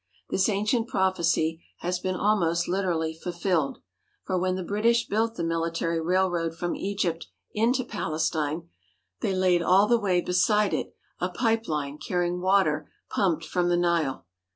This ancient prophecy has been almost literally fulfilled, for when the British built the military railroad from Egypt into Palestine they laid all the way beside it a pipe line carrying water pumped from the Nile.